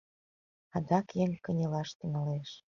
Адак еҥ кынелаш тӱҥалеш.